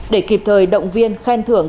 để kịp thời động viên khen thưởng